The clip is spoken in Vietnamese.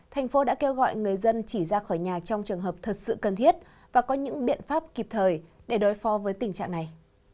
thành phố đã kêu gọi người dân chỉ ra khỏi nhà trong trường hợp thật sự cần thiết và có những biện pháp kịp thời để đối phó với tình trạng này